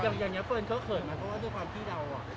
เพราะว่าด้วยความที่เรา